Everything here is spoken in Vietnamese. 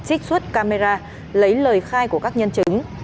trích xuất camera lấy lời khai của các nhân chứng